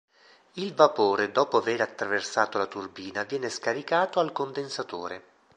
Il vapore dopo aver attraversato la turbina viene scaricato al condensatore.